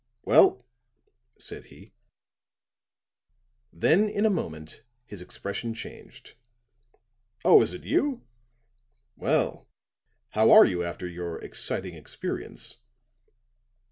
"Well?" said he. Then in a moment his expression changed. "Oh, is it you? Well, how are you after your exciting experience?"